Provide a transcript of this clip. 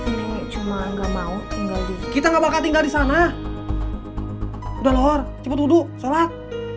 ini cuma nggak mau tinggal kita nggak bakal tinggal di sana udah loh cepet wudhu sholat